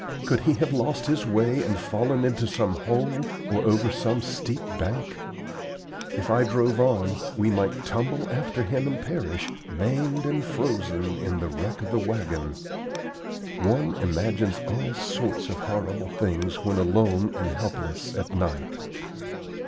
Could he have lost his way and fallen into some hole or over some steep bank? If I drove on, we might tumble after him and perish, maimed and frozen, in the wreck of the wagon. One imagines all sorts of horrible things when alone and helpless at night.